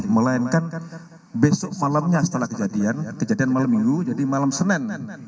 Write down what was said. melainkan besok malamnya setelah kejadian kejadian malam minggu jadi malam senin